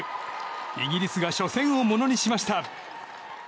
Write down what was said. イギリスが初戦をものにしました。